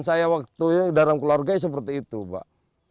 saya waktu dalam keluarga seperti itu pak